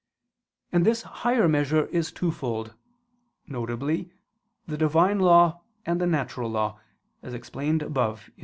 And this higher measure is twofold, viz. the Divine law and the natural law, as explained above (A.